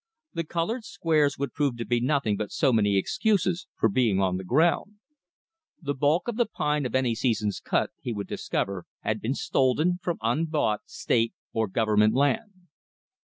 The colored squares would prove to be nothing but so many excuses for being on the ground. The bulk of the pine of any season's cut he would discover had been stolen from unbought State or Government land.